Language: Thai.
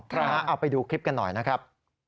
เอาไปดูคลิปกันหน่อยนะครับ